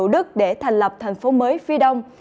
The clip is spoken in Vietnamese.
để thành lập thành phố mới phía đông